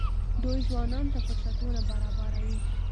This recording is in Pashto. دوی ځوانانو ته فرصتونه برابروي.